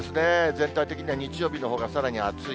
全体的には日曜日のほうがさらに暑い。